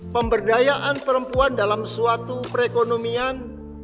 pemberdayaan perempuan dalam suatu perekonomian